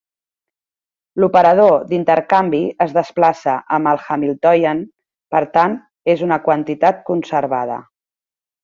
L'operador d'intercanvi es desplaça amb el Hamiltonian, i per tant és una quantitat conservada.